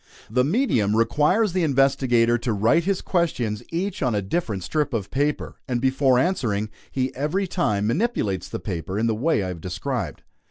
The medium requires the investigator to write his questions each on a different strip of paper; and before answering, he every time manipulates the paper in the way I have described.